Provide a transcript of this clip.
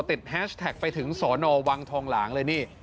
แฮชแท็กไปถึงสอนอวังทองหลางเลยนี่